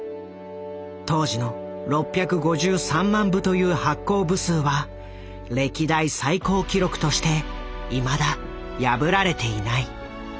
当時の６５３万部という発行部数は歴代最高記録としていまだ破られていない。